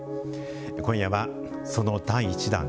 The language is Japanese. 今夜はその第１弾。